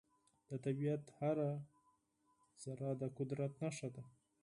د طبیعت هره ذرې د قدرت نښه ده.